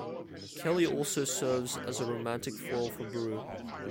Kelly also serves as a romantic foil for Bru.